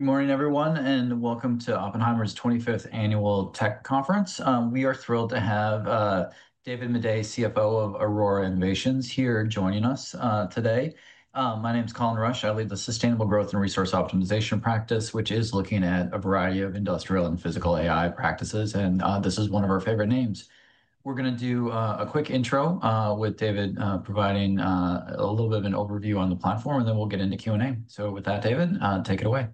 Good morning, everyone, and welcome to Oppenheimer's 25th Annual tech conference. We are thrilled to have David Maday, CFO of Aurora Innovation, here joining us today. My name is Colin Rusch. I lead the Sustainable Growth and Resource Optimization practice, which is looking at a variety of industrial and physical AI practices, and this is one of our favorite names. We're going to do a quick intro with David providing a little bit of an overview on the platform, and then we'll get into Q&A. With that, David, take it away.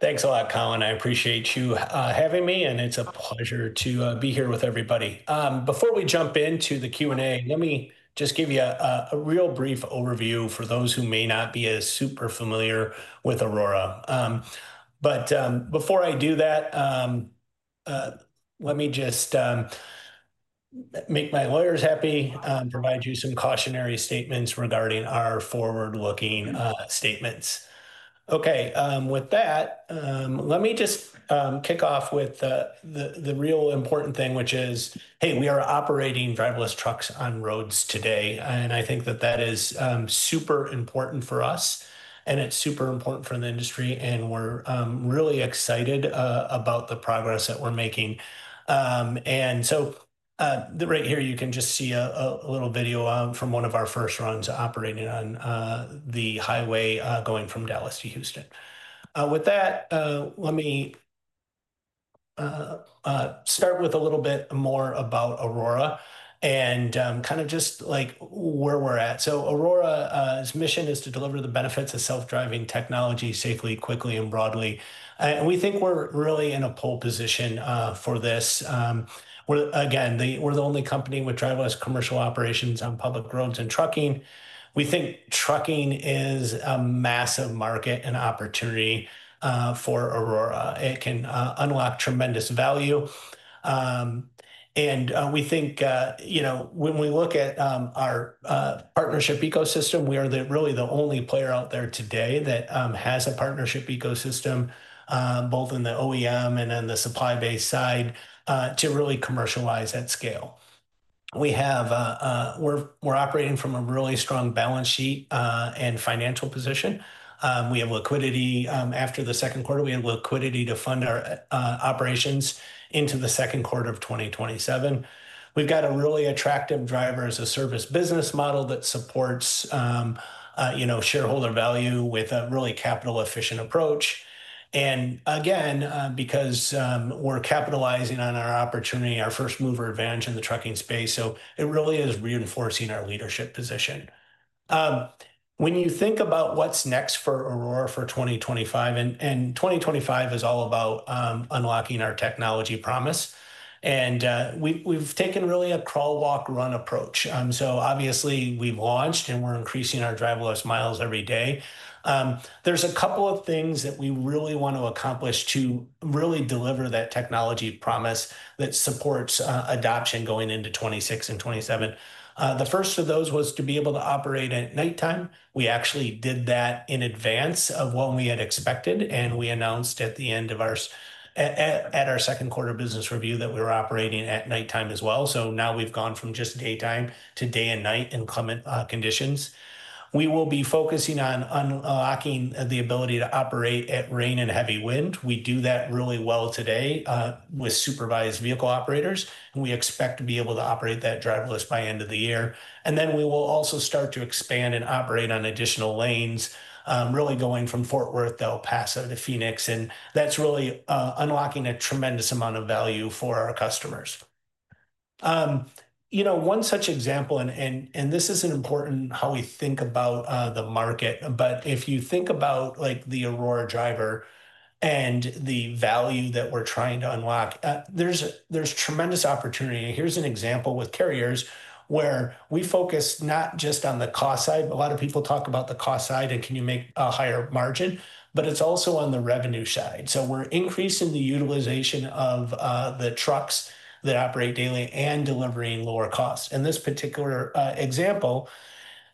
Thanks a lot, Colin. I appreciate you having me, and it's a pleasure to be here with everybody. Before we jump into the Q&A, let me just give you a real brief overview for those who may not be super familiar with Aurora. Before I do that, let me just make my lawyers happy, provide you some cautionary statements regarding our forward-looking statements. With that, let me just kick off with the real important thing, which is, hey, we are operating driverless trucks on roads today, and I think that is super important for us, and it's super important for the industry, and we're really excited about the progress that we're making. Right here, you can just see a little video from one of our first runs operating on the highway going from Dallas to Houston. With that, let me start with a little bit more about Aurora and kind of just like where we're at. Aurora's mission is to deliver the benefits of self-driving technology safely, quickly, and broadly. We think we're really in a pole position for this. We're the only company with driverless commercial operations on public roads in trucking. We think trucking is a massive market and opportunity for Aurora. It can unlock tremendous value. When we look at our partnership ecosystem, we are really the only player out there today that has a partnership ecosystem, both in the OEM and on the supply-based side, to really commercialize at scale. We're operating from a really strong balance sheet and financial position. We have liquidity after the second quarter. We have liquidity to fund our operations into the second quarter of 2027. We've got a really attractive driver-as-a-service business model that supports shareholder value with a really capital-efficient approach. Because we're capitalizing on our opportunity, our first mover advantage in the trucking space, it really is reinforcing our leadership position. When you think about what's next for Aurora for 2025, 2025 is all about unlocking our technology promise, and we've taken really a crawl, walk, run approach. Obviously, we've launched and we're increasing our driverless miles every day. There are a couple of things that we really want to accomplish to really deliver that technology promise that supports adoption going into 2026 and 2027. The first of those was to be able to operate at nighttime. We actually did that in advance of when we had expected, and we announced at the end of our second quarter business review that we were operating at nighttime as well. Now we've gone from just daytime to day and night inclement conditions. We will be focusing on unlocking the ability to operate at rain and heavy wind. We do that really well today with supervised vehicle operators, and we expect to be able to operate that driverless by the end of the year. We will also start to expand and operate on additional lanes, really going from Fort Worth to El Paso to Phoenix, and that's really unlocking a tremendous amount of value for our customers. One such example, and this is important how we think about the market, but if you think about the Aurora Driver and the value that we're trying to unlock, there's tremendous opportunity. Here's an example with carriers where we focus not just on the cost side, a lot of people talk about the cost side and can you make a higher margin, but it's also on the revenue side. We're increasing the utilization of the trucks that operate daily and delivering lower costs. In this particular example,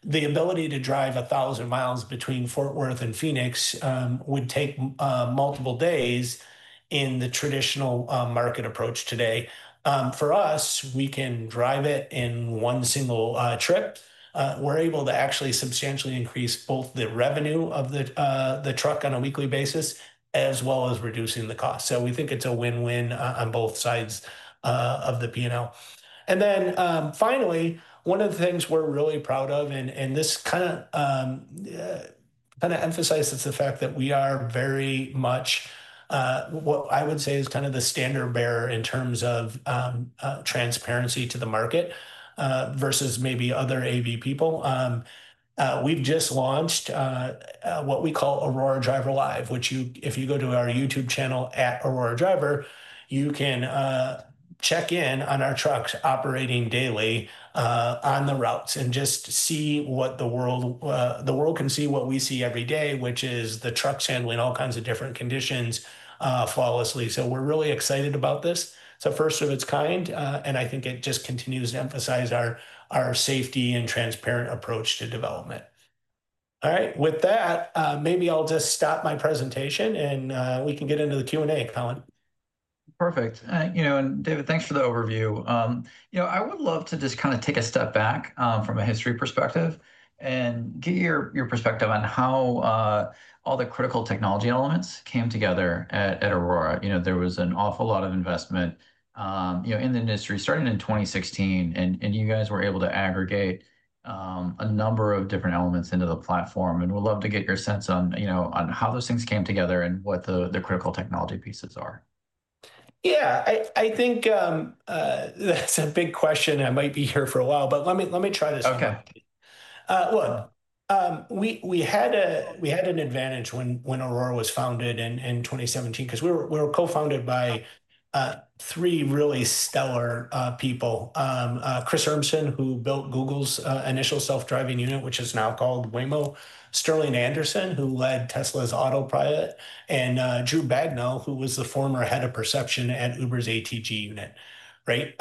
the ability to drive 1,000 mi between Fort Worth and Phoenix would take multiple days in the traditional market approach today. For us, we can drive it in one single trip. We're able to actually substantially increase both the revenue of the truck on a weekly basis, as well as reducing the cost. We think it's a win-win on both sides of the P&L. Finally, one of the things we're really proud of, and this kind of emphasizes the fact that we are very much what I would say is kind of the standard bearer in terms of transparency to the market versus maybe other AV people. We've just launched what we call Aurora Driver Live, which you, if you go to our YouTube channel @AuroraDriver, you can check in on our trucks operating daily on the routes and just see what the world, the world can see what we see every day, which is the trucks handling all kinds of different conditions flawlessly. We're really excited about this. It's the first of its kind, and I think it just continues to emphasize our safety and transparent approach to development. All right, with that, maybe I'll just stop my presentation and we can get into the Q&A, Colin. Perfect. David, thanks for the overview. I would love to just kind of take a step back from a history perspective and get your perspective on how all the critical technology elements came together at Aurora. There was an awful lot of investment in the industry starting in 2016, and you guys were able to aggregate a number of different elements into the platform. We'd love to get your sense on how those things came together and what the critical technology pieces are. Yeah, I think that's a big question. I might be here for a while, but let me try this. Okay. One, we had an advantage when Aurora was founded in 2017 because we were co-founded by three really stellar people: Chris Urmson, who built Google's initial self-driving unit, which is now called Waymo, Sterling Anderson, who led Tesla's Autopilot, and Drew Bagnell, who was the former head of perception at Uber ATG. Right?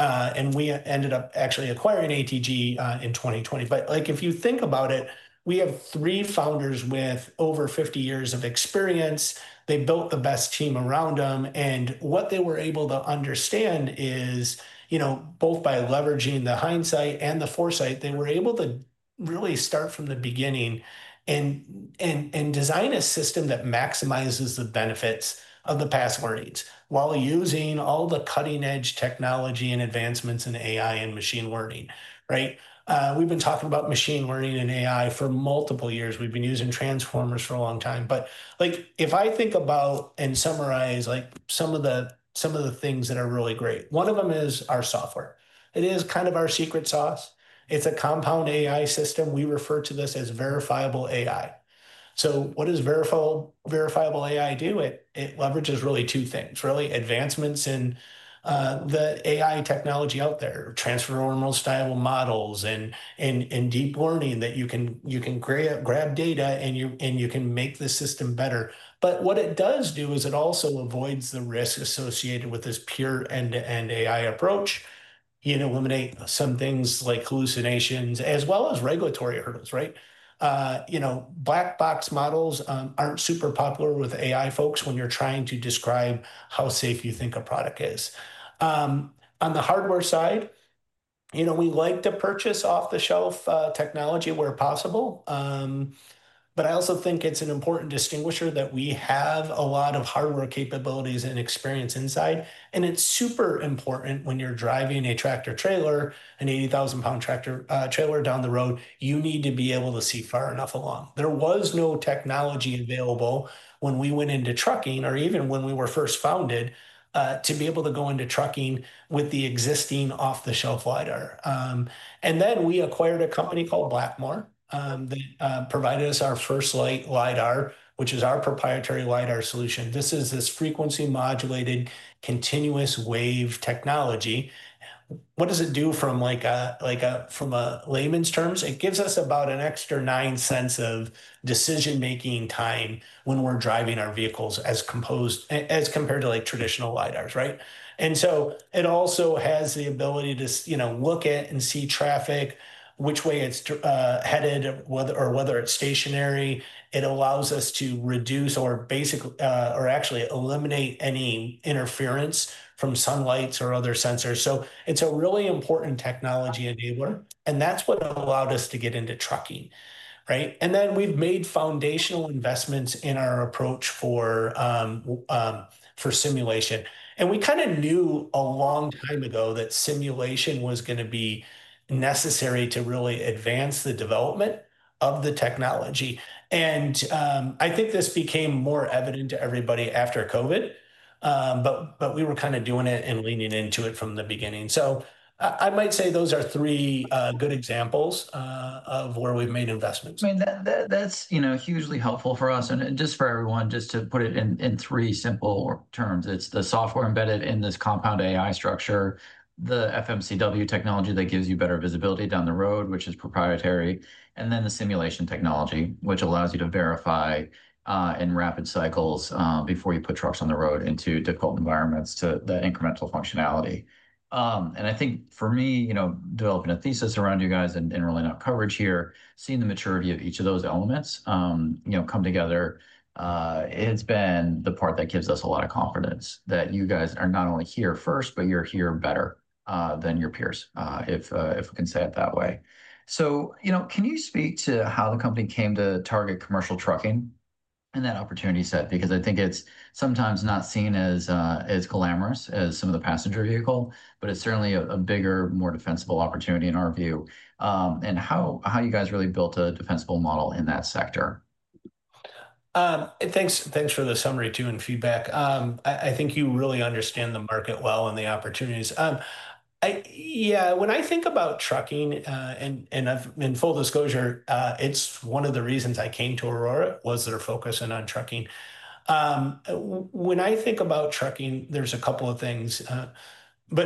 We ended up actually acquiring ATG in 2020. If you think about it, we have three founders with over 50 years of experience. They built the best team around them. What they were able to understand is, you know, both by leveraging the hindsight and the foresight, they were able to really start from the beginning and design a system that maximizes the benefits of the past while using all the cutting-edge technology and advancements in AI and machine learning. Right? We've been talking about machine learning and AI for multiple years. We've been using transformers for a long time. If I think about and summarize some of the things that are really great, one of them is our software. It is kind of our secret sauce. It's a compound AI system. We refer to this as verifiable AI. What does verifiable AI do? It leverages really two things, really advancements in the AI technology out there, transferable, stable models, and deep learning that you can grab data and you can make the system better. What it does do is it also avoids the risk associated with this pure end-to-end AI approach. You can eliminate some things like hallucinations as well as regulatory hurdles. Right? You know, black box models aren't super popular with AI folks when you're trying to describe how safe you think a product is. On the hardware side, we like to purchase off-the-shelf technology where possible. I also think it's an important distinguisher that we have a lot of hardware capabilities and experience inside. It's super important when you're driving a tractor-trailer, an 80,000 lbs tractor-trailer down the road, you need to be able to see far enough along. There was no technology available when we went into trucking or even when we were first founded to be able to go into trucking with the existing off-the-shelf LiDAR. We acquired a company called Blackmore that provided us our first LiDAR, which is our proprietary LiDAR solution. This is this frequency-modulated continuous wave technology. What does it do from like a layman's terms? It gives us about an extra $0.09 of decision-making time when we're driving our vehicles as compared to traditional LiDARs. It also has the ability to look at and see traffic, which way it's headed, or whether it's stationary. It allows us to reduce or actually eliminate any interference from sunlight or other sensors. It's a really important technology enabler. That's what allowed us to get into trucking. We've made foundational investments in our approach for simulation. We kind of knew a long time ago that simulation was going to be necessary to really advance the development of the technology. I think this became more evident to everybody after COVID. We were kind of doing it and leaning into it from the beginning. I might say those are three good examples of where we've made investments. I mean, that's hugely helpful for us and just for everyone, just to put it in three simple terms. It's the software embedded in this compound AI structure, the FMCW technology that gives you better visibility down the road, which is proprietary, and then the simulation technology, which allows you to verify in rapid cycles before you put trucks on the road into difficult environments to that incremental functionality. I think for me, developing a thesis around you guys and really not coverage here, seeing the maturity of each of those elements come together, it's been the part that gives us a lot of confidence that you guys are not only here first, but you're here better than your peers, if I can say it that way. Can you speak to how the company came to target commercial trucking in that opportunity set? Because I think it's sometimes not seen as glamorous as some of the passenger vehicle, but it's certainly a bigger, more defensible opportunity in our view. How you guys really built a defensible model in that sector. Thanks for the summary too and feedback. I think you really understand the market well and the opportunities. Yeah, when I think about trucking, and in full disclosure, it's one of the reasons I came to Aurora was their focus on trucking. When I think about trucking, there's a couple of things.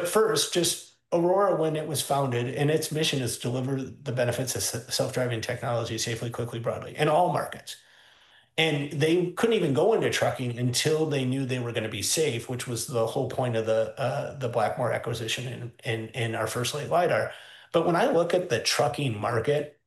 First, just Aurora Innovation, when it was founded, and its mission is to deliver the benefits of self-driving technology safely, quickly, broadly in all markets. They couldn't even go into trucking until they knew they were going to be safe, which was the whole point of the Blackmore acquisition in our first light LiDAR. When I look at the trucking market,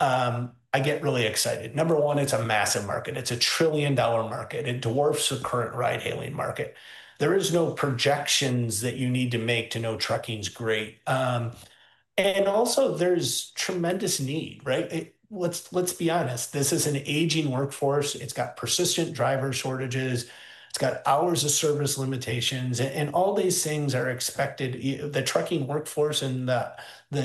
I get really excited. Number one, it's a massive market. It's a trillion-dollar market. It dwarfs the current ride-hailing market. There are no projections that you need to make to know trucking is great. Also, there's tremendous need, right? Let's be honest, this is an aging workforce. It's got persistent driver shortages. It's got hours of service limitations. All these things are expected. The trucking workforce and the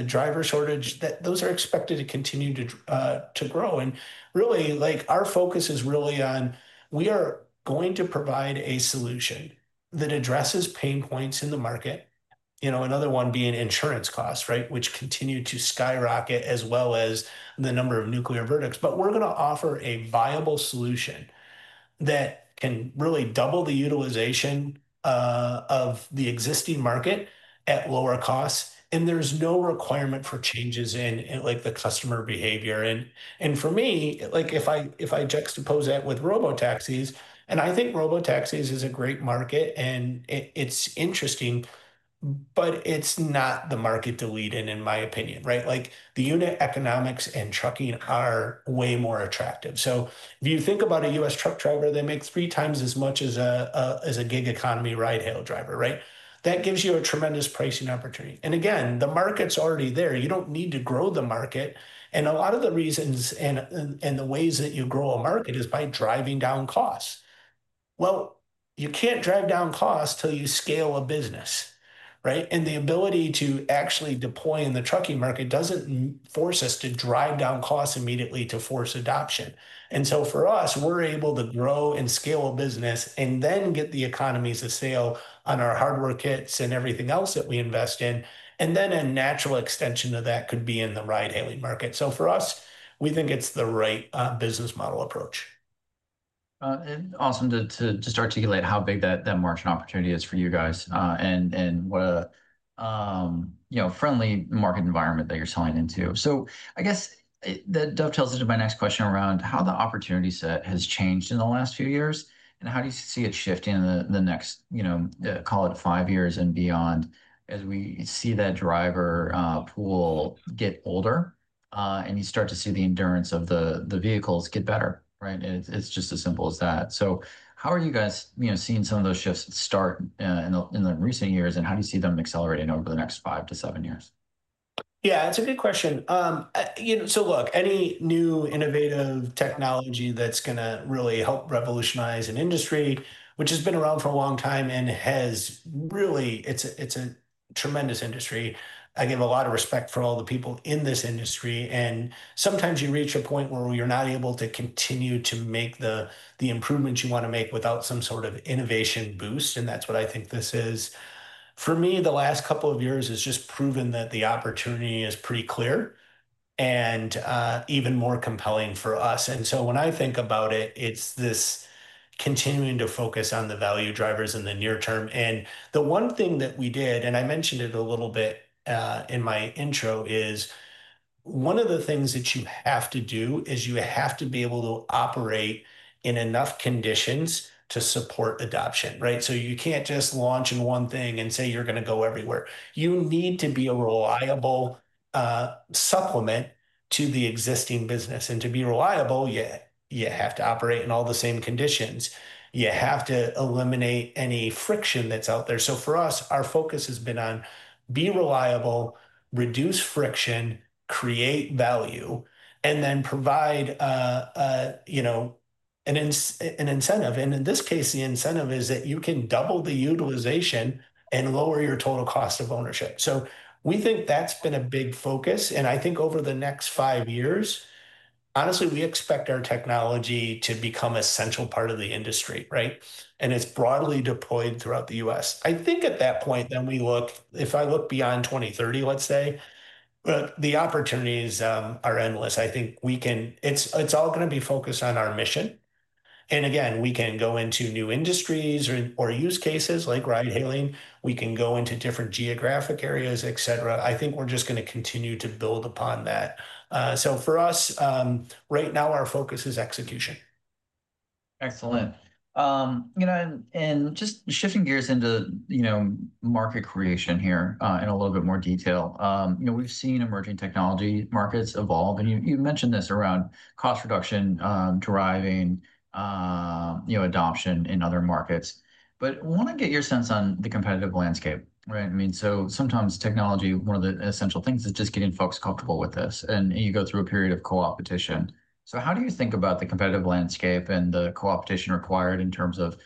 driver shortage, those are expected to continue to grow. Really, like our focus is really on we are going to provide a solution that addresses pain points in the market. You know, another one being insurance costs, right, which continue to skyrocket, as well as the number of nuclear verdicts. We're going to offer a viable solution that can really double the utilization of the existing market at lower costs. There's no requirement for changes in like the customer behavior. For me, like if I juxtapose that with robotaxis, and I think robotaxis is a great market, and it's interesting, but it's not the market to lead in, in my opinion, right? The unit economics in trucking are way more attractive. If you think about a U.S. truck driver, they make three times as much as a gig economy ride-hail driver, right? That gives you a tremendous pricing opportunity. Again, the market's already there. You don't need to grow the market. A lot of the reasons and the ways that you grow a market is by driving down costs. You can't drive down costs till you scale a business, right? The ability to actually deploy in the trucking market doesn't force us to drive down costs immediately to force adoption. For us, we're able to grow and scale a business and then get the economies of scale on our hardware kits and everything else that we invest in. A natural extension of that could be in the ride-hailing market. For us, we think it's the right business model approach. Awesome to just articulate how big that market opportunity is for you guys and what a friendly market environment that you're selling into. I guess that dovetails into my next question around how the opportunity set has changed in the last few years. How do you see it shifting in the next, you know, call it five years and beyond as we see that driver pool get older and you start to see the endurance of the vehicles get better, right? It's just as simple as that. How are you guys, you know, seeing some of those shifts start in the recent years and how do you see them accelerating over the next five to seven years? Yeah, that's a good question. You know, any new innovative technology that's going to really help revolutionize an industry, which has been around for a long time and has really, it's a tremendous industry. I give a lot of respect for all the people in this industry. Sometimes you reach a point where you're not able to continue to make the improvements you want to make without some sort of innovation boost. That's what I think this is. For me, the last couple of years has just proven that the opportunity is pretty clear and even more compelling for us. When I think about it, it's this continuing to focus on the value drivers in the near-term. The one thing that we did, and I mentioned it a little bit in my intro, is one of the things that you have to do is you have to be able to operate in enough conditions to support adoption, right? You can't just launch in one thing and say you're going to go everywhere. You need to be a reliable supplement to the existing business. To be reliable, you have to operate in all the same conditions. You have to eliminate any friction that's out there. For us, our focus has been on be reliable, reduce friction, create value, and then provide, you know, an incentive. In this case, the incentive is that you can double the utilization and lower your total cost of ownership. We think that's been a big focus. I think over the next five years, honestly, we expect our technology to become a central part of the industry, right? It's broadly deployed throughout the U.S. I think at that point, if I look beyond 2030, let's say, the opportunities are endless. I think we can, it's all going to be focused on our mission. Again, we can go into new industries or use cases like ride-hailing. We can go into different geographic areas, etc. I think we're just going to continue to build upon that. For us, right now, our focus is execution. Excellent. Just shifting gears into market creation here in a little bit more detail. We've seen emerging technology markets evolve, and you mentioned this around cost reduction, driving adoption in other markets. I want to get your sense on the competitive landscape, right? Sometimes technology, one of the essential things is just getting folks comfortable with this, and you go through a period of co-opetition. How do you think about the competitive landscape and the co-opetition required in terms of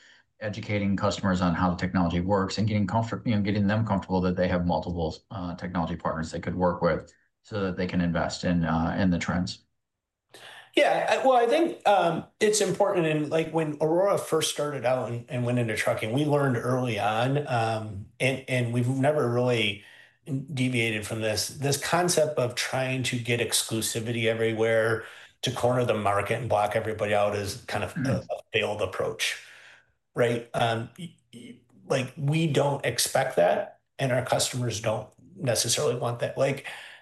educating customers on how the technology works and getting them comfortable that they have multiple technology partners they could work with so that they can invest in the trends? I think it's important. When Aurora first started out and went into trucking, we learned early on, and we've never really deviated from this, this concept of trying to get exclusivity everywhere to corner the market and block everybody out is kind of a failed approach, right? We don't expect that, and our customers don't necessarily want that.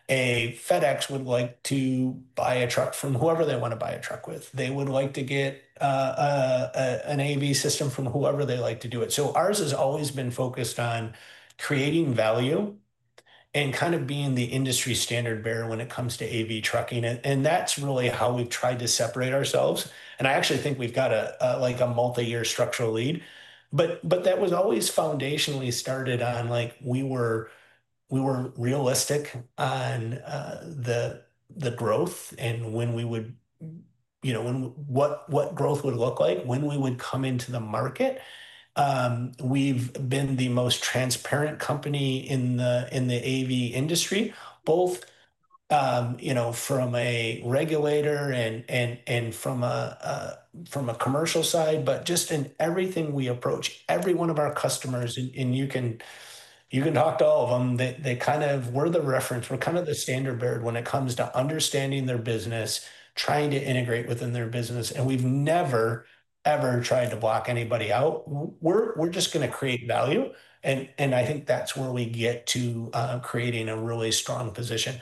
Like a FedEx would like to buy a truck from whoever they want to buy a truck with. They would like to get an AV system from whoever they like to do it. Ours has always been focused on creating value and kind of being the industry standard bearer when it comes to AV trucking. That's really how we've tried to separate ourselves. I actually think we've got a multi-year structural lead. That was always foundationally started and we were realistic on the growth and what growth would look like when we would come into the market. We've been the most transparent company in the AV industry, both from a regulator and from a commercial side, but just in everything we approach. Every one of our customers, and you can talk to all of them, they were the reference. We're kind of the standard bearer when it comes to understanding their business, trying to integrate within their business. We've never, ever tried to block anybody out. We're just going to create value. I think that's where we get to creating a really strong position.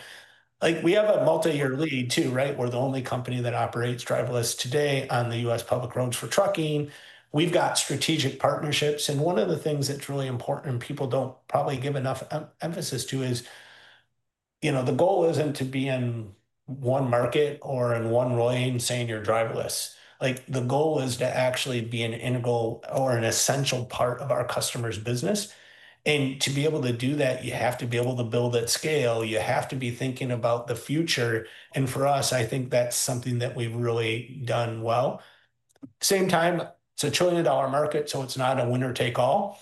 We have a multi-year lead too, right? We're the only company that operates driverless today on the U.S. public roads for trucking. We've got strategic partnerships. One of the things that's really important and people don't probably give enough emphasis to is the goal isn't to be in one market or in one lane saying you're driverless. The goal is to actually be an integral or an essential part of our customer's business. To be able to do that, you have to be able to build at scale. You have to be thinking about the future. For us, I think that's something that we've really done well. At the same time, it's a trillion-dollar market, so it's not a winner-take-all.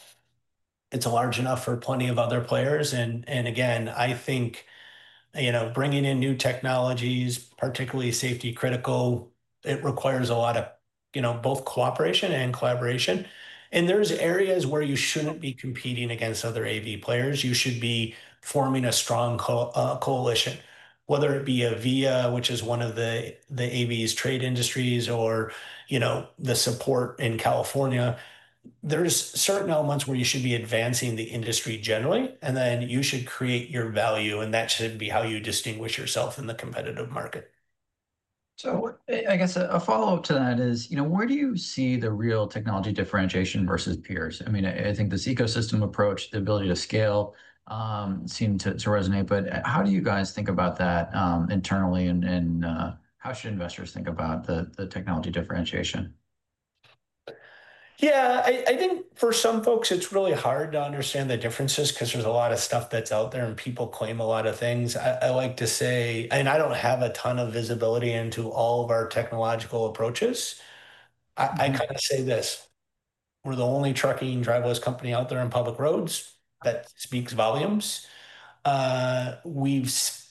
It's large enough for plenty of other players. I think bringing in new technologies, particularly safety-critical, requires a lot of both cooperation and collaboration. There are areas where you shouldn't be competing against other AV players. You should be forming a strong coalition, whether it be AVIA, which is one of the AV's trade industries, or the support in California. There are certain elements where you should be advancing the industry generally, and then you should create your value, and that should be how you distinguish yourself in the competitive market. I guess a follow-up to that is, you know, where do you see the real technology differentiation versus peers? I mean, I think this ecosystem approach, the ability to scale seemed to resonate, but how do you guys think about that internally, and how should investors think about the technology differentiation? Yeah, I think for some folks, it's really hard to understand the differences because there's a lot of stuff that's out there, and people claim a lot of things. I like to say, and I don't have a ton of visibility into all of our technological approaches. I kind of say this. We're the only trucking driverless company out there on public roads. That speaks volumes.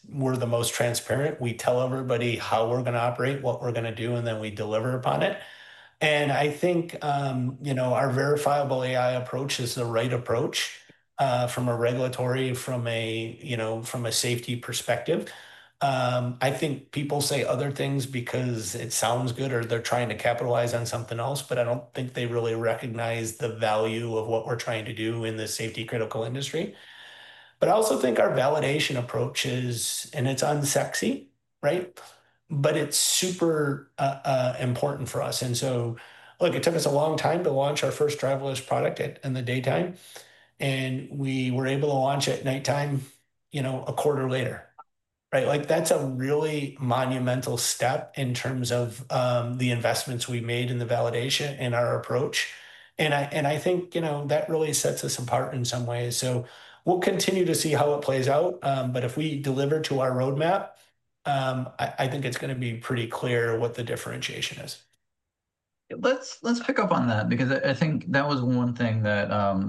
We're the most transparent. We tell everybody how we're going to operate, what we're going to do, and then we deliver upon it. I think our verifiable AI approach is the right approach from a regulatory, from a safety perspective. I think people say other things because it sounds good, or they're trying to capitalize on something else, but I don't think they really recognize the value of what we're trying to do in the safety-critical industry. I also think our validation approach is, and it's unsexy, right? But it's super important for us. Look, it took us a long time to launch our first driverless product in the daytime, and we were able to launch it at nighttime a quarter later. That's a really monumental step in terms of the investments we made in the validation and our approach. I think that really sets us apart in some ways. We will continue to see how it plays out. If we deliver to our roadmap, I think it's going to be pretty clear what the differentiation is. Let's pick up on that because I think that was one thing that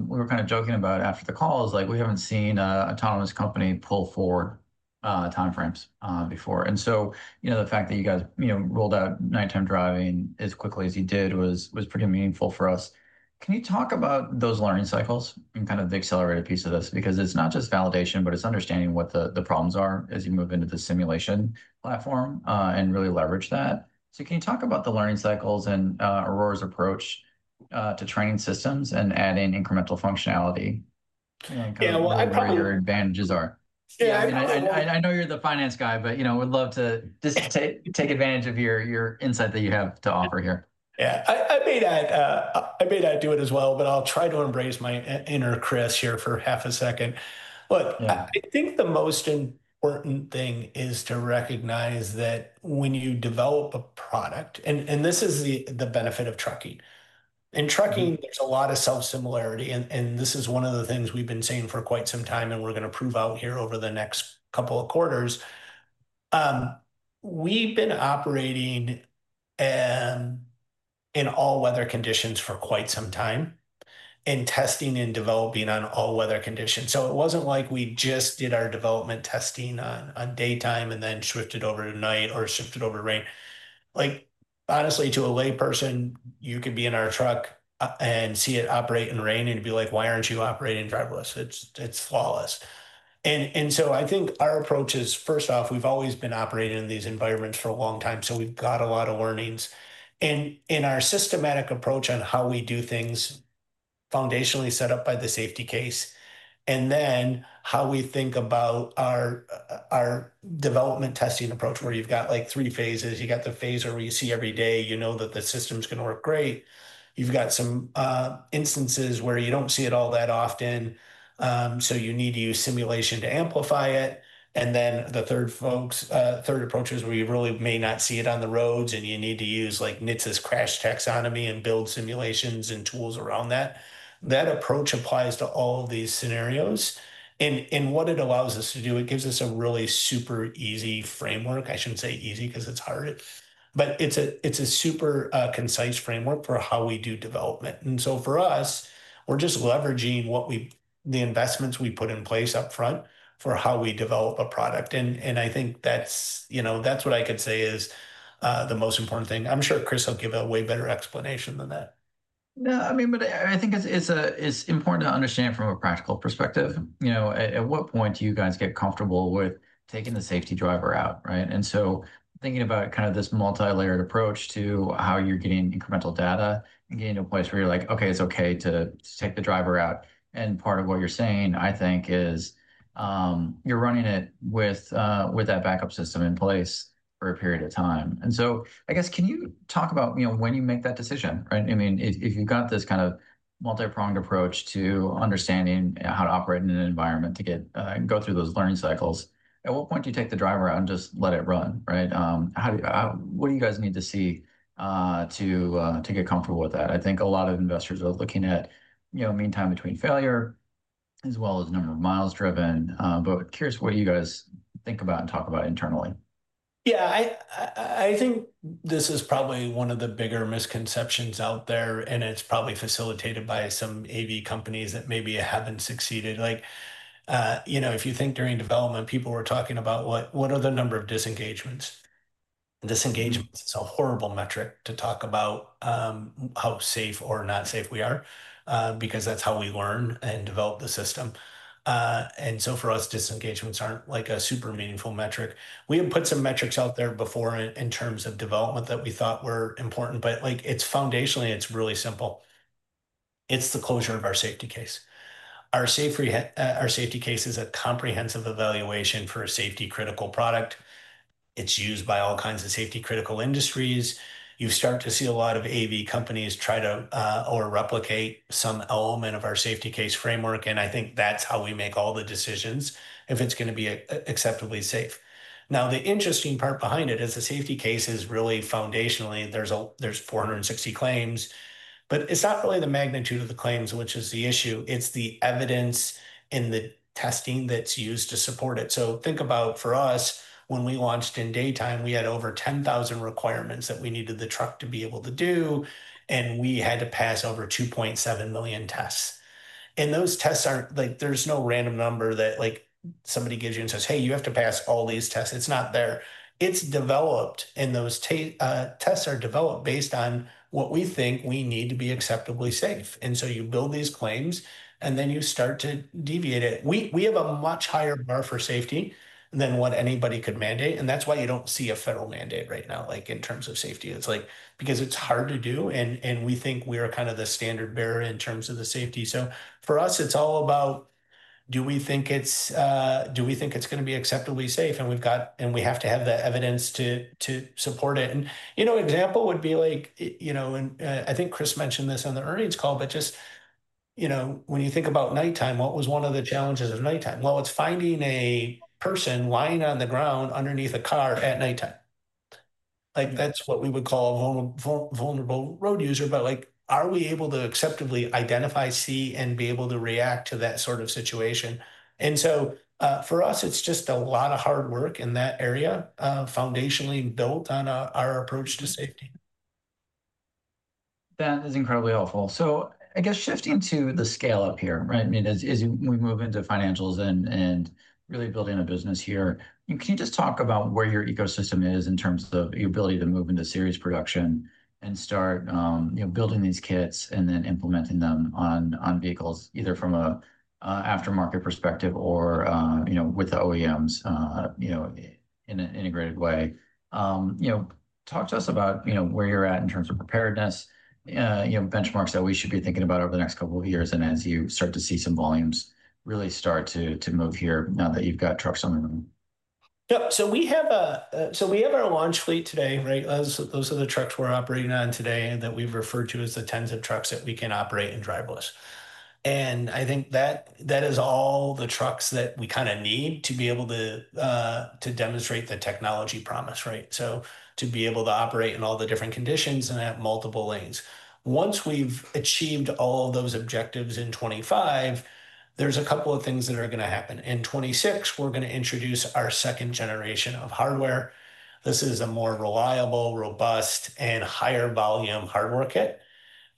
we were kind of joking about after the call, like we haven't seen an autonomous company pull forward timeframes before. The fact that you guys rolled out nighttime driving as quickly as you did was pretty meaningful for us. Can you talk about those learning cycles and kind of the accelerated piece of this? It's not just validation, but it's understanding what the problems are as you move into the simulation platform and really leverage that. Can you talk about the learning cycles and Aurora's approach to train systems and adding incremental functionality and what your advantages are? I know you're the finance guy, but I would love to just take advantage of your insight that you have to offer here. Yeah, I may not do it as well, but I'll try to embrace my inner Chris here for half a second. I think the most important thing is to recognize that when you develop a product, and this is the benefit of trucking, and trucking is a lot of self-similarity, and this is one of the things we've been saying for quite some time, and we're going to prove out here over the next couple of quarters. We've been operating in all weather conditions for quite some time and testing and developing on all weather conditions. It wasn't like we just did our development testing on daytime and then shifted over to night or shifted over to rain. Honestly, to a layperson, you could be in our truck and see it operate in rain and be like, why aren't you operating driverless? It's flawless. I think our approach is, first off, we've always been operating in these environments for a long time. So we've got a lot of learnings. In our systematic approach on how we do things, foundationally set up by the safety case, and then how we think about our development testing approach, where you've got like three phases. You've got the phase where you see every day, you know that the system's going to work great. You've got some instances where you don't see it all that often, so you need to use simulation to amplify it. The third approach is where you really may not see it on the roads, and you need to use like NHTSA's crash taxonomy and build simulations and tools around that. That approach applies to all of these scenarios. What it allows us to do, it gives us a really super easy framework. I shouldn't say easy because it's hard, but it's a super concise framework for how we do development. For us, we're just leveraging what we, the investments we put in place up front for how we develop a product. I think that's what I could say is the most important thing. I'm sure Chris will give a way better explanation than that. No, I mean, I think it's important to understand from a practical perspective, you know, at what point do you guys get comfortable with taking the safety driver out, right? Thinking about this multi-layered approach to how you're getting incremental data and getting to a place where you're like, okay, it's okay to take the driver out. Part of what you're saying, I think, is you're running it with that backup system in place for a period of time. I guess, can you talk about when you make that decision, right? I mean, if you've got this kind of multi-pronged approach to understanding how to operate in an environment to go through those learning cycles, at what point do you take the driver out and just let it run, right? What do you guys need to see to get comfortable with that? I think a lot of investors are looking at, you know, meantime between failure as well as number of miles driven. Curious, what do you guys think about and talk about internally? Yeah, I think this is probably one of the bigger misconceptions out there, and it's probably facilitated by some AV companies that maybe haven't succeeded. Like, you know, if you think during development, people were talking about what are the number of disengagements? Disengagement is a horrible metric to talk about how safe or not safe we are because that's how we learn and develop the system. For us, disengagements aren't like a super meaningful metric. We have put some metrics out there before in terms of development that we thought were important, but like it's foundationally, it's really simple. It's the closure of our safety case. Our safety case is a comprehensive evaluation for a safety-critical product. It's used by all kinds of safety-critical industries. You start to see a lot of AV companies try to or replicate some element of our safety case framework, and I think that's how we make all the decisions if it's going to be acceptably safe. Now, the interesting part behind it is the safety case is really foundationally, there's 460 claims, but it's not really the magnitude of the claims which is the issue. It's the evidence in the testing that's used to support it. Think about for us, when we launched in daytime, we had over 10,000 requirements that we needed the truck to be able to do, and we had to pass over 2.7 million tests. Those tests aren't like, there's no random number that like somebody gives you and says, "Hey, you have to pass all these tests." It's not there. It's developed, and those tests are developed based on what we think we need to be acceptably safe. You build these claims, and then you start to deviate it. We have a much higher bar for safety than what anybody could mandate, and that's why you don't see a federal mandate right now, like in terms of safety. It's because it's hard to do, and we think we are kind of the standard bearer in terms of the safety. For us, it's all about, do we think it's going to be acceptably safe? We've got, and we have to have the evidence to support it. You know, an example would be like, you know, and I think Chris Urmson mentioned this on the earnings call, but just, you know, when you think about nighttime, what was one of the challenges of nighttime? It's finding a person lying on the ground underneath a car at nighttime. That's what we would call a vulnerable road user, but like, are we able to acceptably identify, see, and be able to react to that sort of situation? For us, it's just a lot of hard work in that area, foundationally built on our approach to safety. That is incredibly helpful. I guess shifting to the scale up here, right? I mean, as we move into financials and really building a business here, can you just talk about where your ecosystem is in terms of your ability to move into series production and start building these kits and then implementing them on vehicles, either from an aftermarket perspective or with the OEMs in an integrated way? Talk to us about where you're at in terms of preparedness, benchmarks that we should be thinking about over the next couple of years and as you start to see some volumes really start to move here now that you've got trucks under them. We have our launch fleet today, right? Those are the trucks we're operating on today and that we've referred to as the tens of trucks that we can operate in driverless. I think that is all the trucks that we need to be able to demonstrate the technology promise, right? To be able to operate in all the different conditions and at multiple lanes. Once we've achieved all of those objectives in 2025, there's a couple of things that are going to happen. In 2026, we're going to introduce our second generation of hardware. This is a more reliable, robust, and higher volume hardware kit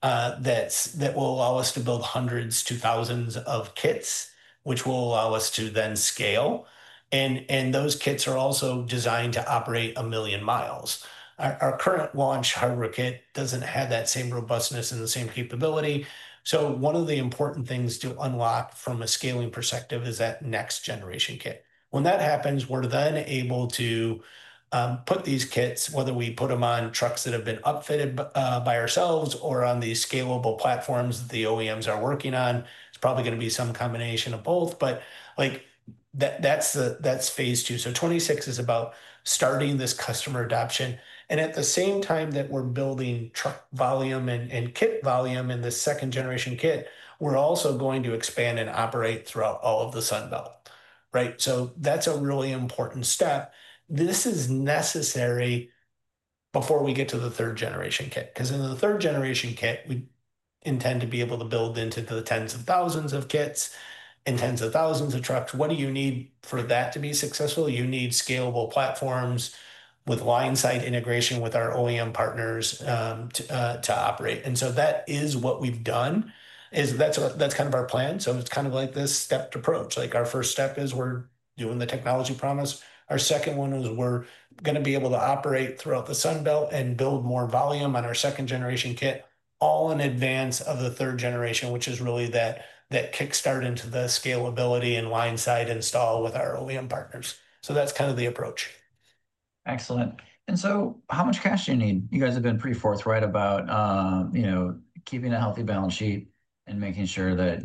that will allow us to build hundreds to thousands of kits, which will allow us to then scale. Those kits are also designed to operate a million miles. Our current launch hardware kit doesn't have that same robustness and the same capability. One of the important things to unlock from a scaling perspective is that next generation kit. When that happens, we're then able to put these kits, whether we put them on trucks that have been upfitted by ourselves or on these scalable platforms that the OEMs are working on. It's probably going to be some combination of both, but that's phase two. 2026 is about starting this customer adoption. At the same time that we're building truck volume and kit volume in the second generation kit, we're also going to expand and operate throughout all of the Sunbelt. That's a really important step. This is necessary before we get to the third generation kit, because in the third generation kit, we intend to be able to build into the tens of thousands of kits and tens of thousands of trucks. What do you need for that to be successful? You need scalable platforms with line site integration with our OEM partners to operate. That is what we've done, that's kind of our plan. It's kind of like this stepped approach. Our first step is we're doing the technology promise. Our second one is we're going to be able to operate throughout the Sunbelt and build more volume on our second generation kit, all in advance of the third generation, which is really that kickstart into the scalability and line site install with our OEM partners. That's kind of the approach. Excellent. How much cash do you need? You guys have been pretty forthright about keeping a healthy balance sheet and making sure that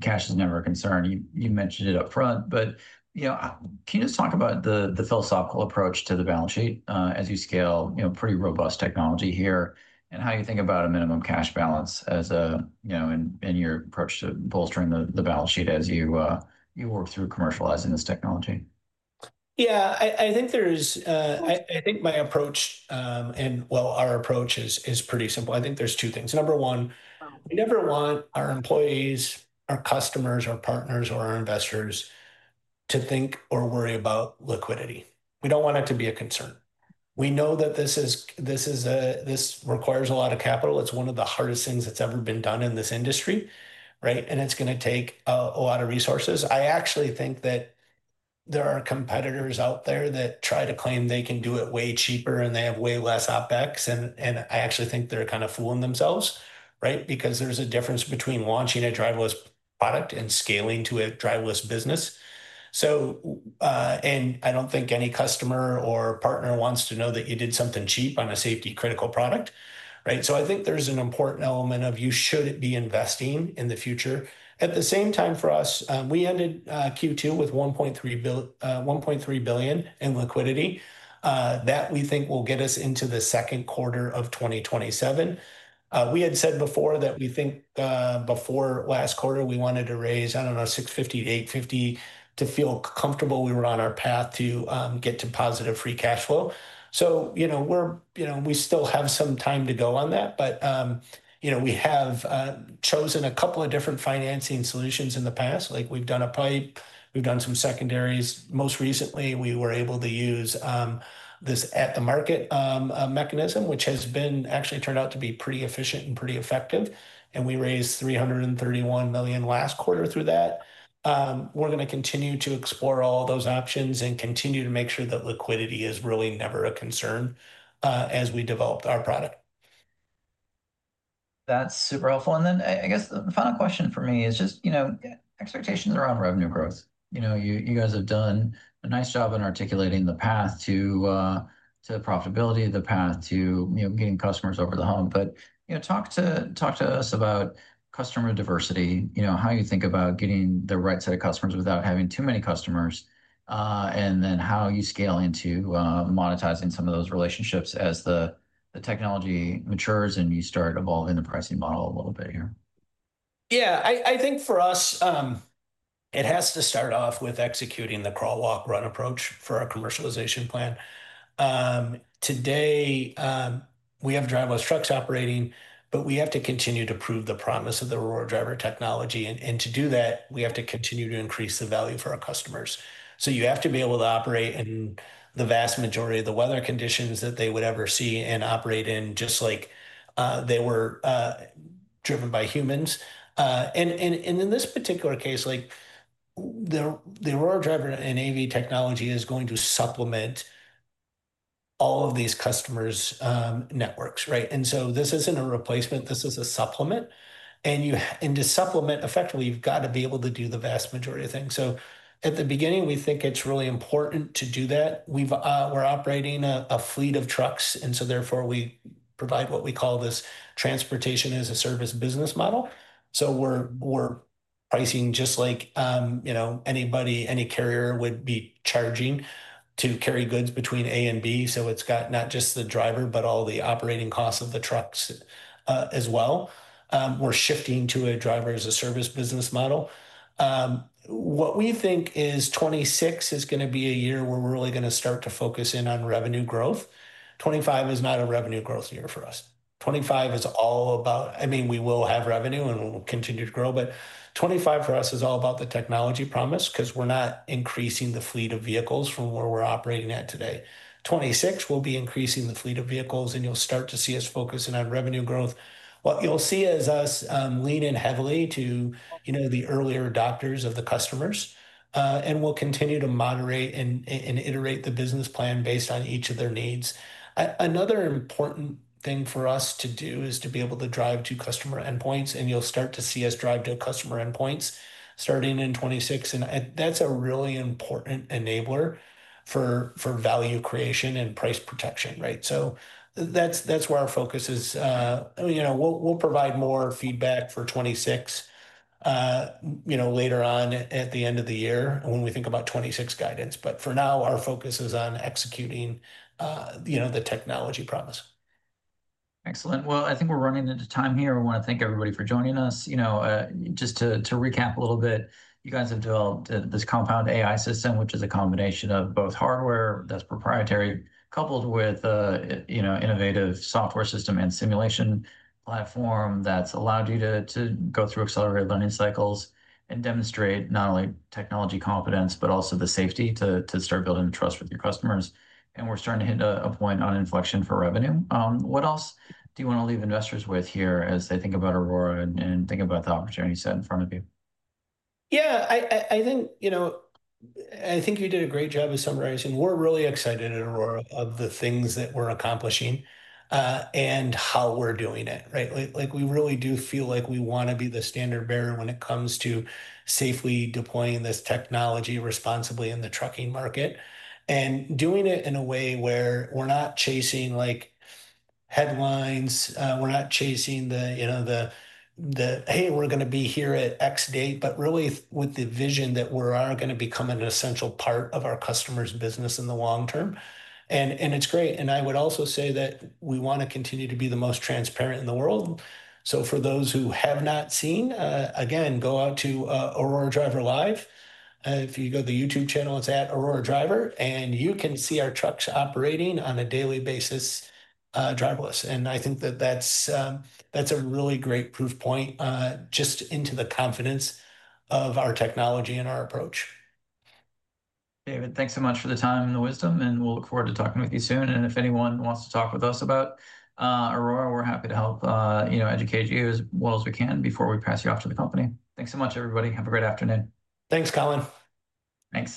cash is never a concern. You mentioned it up front, but can you just talk about the philosophical approach to the balance sheet as you scale pretty robust technology here and how you think about a minimum cash balance in your approach to bolstering the balance sheet as you work through commercializing this technology? I think my approach and, well, our approach is pretty simple. I think there's two things. Number one, we never want our employees, our customers, our partners, or our investors to think or worry about liquidity. We don't want it to be a concern. We know that this requires a lot of capital. It's one of the hardest things that's ever been done in this industry, right? It's going to take a lot of resources. I actually think that there are competitors out there that try to claim they can do it way cheaper and they have way less OpEx. I actually think they're kind of fooling themselves, right? There's a difference between launching a driverless product and scaling to a driverless business. I don't think any customer or partner wants to know that you did something cheap on a safety-critical product, right? I think there's an important element of you shouldn't be investing in the future. At the same time, for us, we ended Q2 with $1.3 billion in liquidity. That we think will get us into the second quarter of 2027. We had said before that we think before last quarter we wanted to raise, I don't know, $850 million to feel comfortable we were on our path to get to positive free cash flow. We're, you know, we still have some time to go on that, but we have chosen a couple of different financing solutions in the past. Like we've done a PIPE, we've done some secondaries. Most recently, we were able to use this at-the-market mechanism, which has actually turned out to be pretty efficient and pretty effective. We raised $331 million last quarter through that. We're going to continue to explore all those options and continue to make sure that liquidity is really never a concern as we develop our product. That's super helpful. I guess the final question for me is just, you know, expectations around revenue growth. You know, you guys have done a nice job in articulating the path to profitability, the path to, you know, getting customers over the hump. You know, talk to us about customer diversity, you know, how you think about getting the right set of customers without having too many customers, and then how you scale into monetizing some of those relationships as the technology matures and you start evolving the pricing model a little bit here. Yeah, I think for us, it has to start off with executing the crawl, walk, run approach for our commercialization plan. Today, we have driverless trucks operating, but we have to continue to prove the promise of the Aurora Driver technology. To do that, we have to continue to increase the value for our customers. You have to be able to operate in the vast majority of the weather conditions that they would ever see and operate just like they were driven by humans. In this particular case, the Aurora Driver and AV technology is going to supplement all of these customers' networks, right? This isn't a replacement, this is a supplement. To supplement effectively, you've got to be able to do the vast majority of things. At the beginning, we think it's really important to do that. We're operating a fleet of trucks, and therefore we provide what we call this transportation-as-a-service business model. We're pricing just like, you know, anybody, any carrier would be charging to carry goods between A and B. It's got not just the driver, but all the operating costs of the trucks as well. We're shifting to a driver-as-a-service business model. What we think is 2026 is going to be a year where we're really going to start to focus in on revenue growth. 2025 is not a revenue growth year for us. 2025 is all about, I mean, we will have revenue and we'll continue to grow, but 2025 for us is all about the technology promise because we're not increasing the fleet of vehicles from where we're operating at today. In 2026, we'll be increasing the fleet of vehicles and you'll start to see us focus on our revenue growth. What you'll see is us leaning heavily to the earlier adopters of the customers. We'll continue to moderate and iterate the business plan based on each of their needs. Another important thing for us to do is to be able to drive to customer endpoints and you'll start to see us drive to customer endpoints starting in 2026. That's a really important enabler for value creation and price protection, right? That's where our focus is. We'll provide more feedback for 2026 later on at the end of the year when we think about 2026 guidance. For now, our focus is on executing the technology promise. Excellent. I think we're running into time here. I want to thank everybody for joining us. Just to recap a little bit, you guys have built this compound AI system, which is a combination of both hardware that's proprietary, coupled with, you know, innovative software system and simulation platform that's allowed you to go through accelerated learning cycles and demonstrate not only technology competence, but also the safety to start building the trust with your customers. We're starting to hint at a point on inflection for revenue. What else do you want to leave investors with here as they think about Aurora Innovation and think about the opportunity set in front of you? Yeah, I think you did a great job of summarizing. We're really excited at Aurora about the things that we're accomplishing and how we're doing it, right? We really do feel like we want to be the standard bearer when it comes to safely deploying this technology responsibly in the trucking market and doing it in a way where we're not chasing headlines. We're not chasing the, you know, the, "Hey, we're going to be here at X date," but really with the vision that we are going to become an essential part of our customer's business in the long-term. It's great. I would also say that we want to continue to be the most transparent in the world. For those who have not seen, again, go out to Aurora Driver Live. If you go to the YouTube channel, it's @AuroraDriver, and you can see our trucks operating on a daily basis driverless. I think that that's a really great proof point just into the confidence of our technology and our approach. David, thanks so much for the time and the wisdom. We'll look forward to talking with you soon. If anyone wants to talk with us about Aurora, we're happy to help educate you as well as we can before we pass you off to the company. Thanks so much, everybody. Have a great afternoon. Thanks, Colin. Thanks.